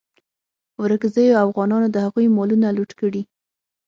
ورکزیو اوغانانو د هغوی مالونه لوټ کړي.